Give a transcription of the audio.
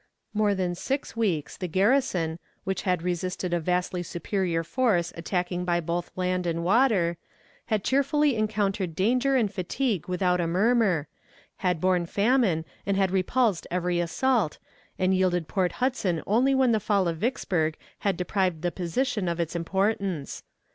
[Illustration: Map of Port Hudson] More than six weeks the garrison, which had resisted a vastly superior force attacking by both land and water, had cheerfully encountered danger and fatigue without a murmur, had borne famine and had repulsed every assault, and yielded Port Hudson only when the fall of Vicksburg had deprived the position of its importance.